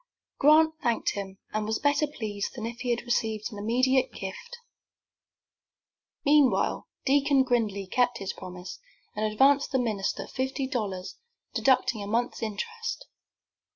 Grant thanked him, and was better pleased than if he had received an immediate gift. Meanwhile Deacon Gridley kept his promise, and advanced the minister fifty dollars, deducting a month's interest.